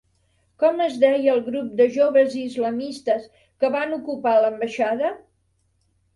Com es deia el grup de joves islamistes que van ocupar l'Ambaixada?